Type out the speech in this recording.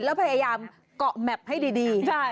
แล้วพยายามเกาะแมพให้ดี